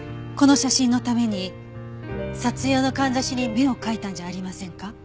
この写真のために撮影用のかんざしに目を描いたんじゃありませんか？